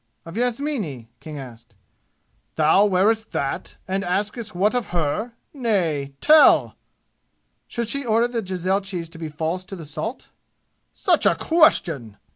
Of Yasmini?" King asked. "Thou wearest that and askest what of her? Nay tell!" "Should she order the jezailchis to be false to the salt ?" "Such a question!"